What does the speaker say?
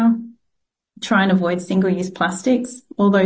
kita mencoba untuk mengelakkan plastik tanpa penggunaan plantas